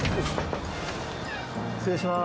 失礼します